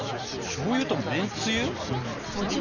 しょうゆとめんつゆ？